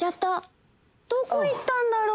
どこ行ったんだろう？